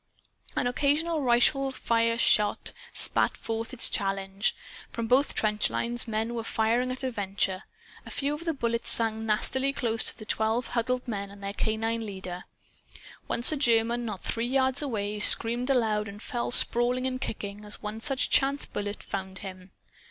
An occasional rifle shot spat forth its challenge. From both trench lines men were firing at a venture. A few of the bullets sang nastily close to the twelve huddled men and their canine leader. Once a German, not three yards away, screamed aloud and fell sprawling and kicking, as one such chance bullet found him.